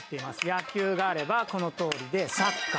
野球があればこのとおりでサッカー。